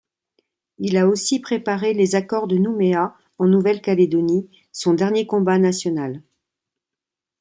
Il a aussi préparé les accords de Nouméa en Nouvelle-Calédonie, son dernier combat national.